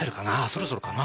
そろそろかな？